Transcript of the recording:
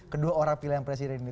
kedua orang pilihan presiden ini